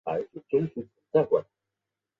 买之前就知道